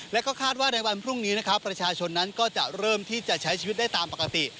แล้วก็คาดว่าในวันพรุ่งนี้นะครับประชาชนนั้นก็จะเริ่มที่จะใช้ชีวิตได้ตามปกติ